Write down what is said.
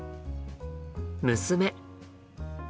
娘。